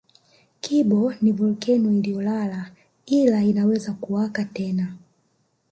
Kibo ni volkeno iliyolala ila inaweza kuwaka tena